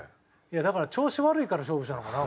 だから調子悪いから勝負したのかな？